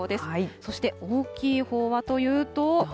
そして、大きいほうはというと。